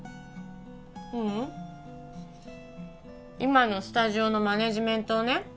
ううん今のスタジオのマネジメントをね